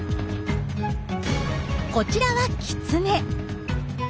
こちらはキツネ。